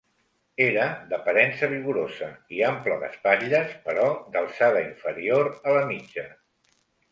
Era d'aparença vigorosa i ample d'espatlles, però d'alçada inferior a la mitja.